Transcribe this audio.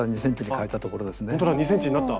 ほんとだ２ｃｍになった。